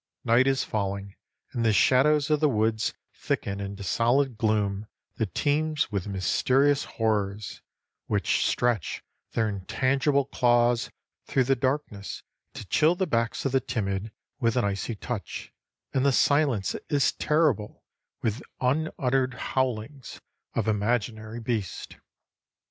Night is falling, and the shadows of the woods thicken into solid gloom that teems with mysterious horrors, which stretch their intangible claws through the darkness to chill the backs of the timid with an icy touch, and the silence is terrible with unuttered howlings of imaginary beasts.